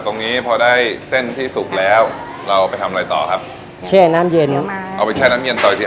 ตรงนี้พอได้เส้นที่สุกแล้วเราไปทำอะไรต่อครับแช่น้ำเย็นเยอะมากเอาไปแช่น้ำเย็นต่ออีกที